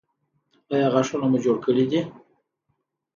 ایا غاښونه مو جوړ کړي دي؟